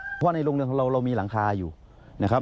เพราะในโรงเรือนของเราเรามีหลังคาอยู่นะครับ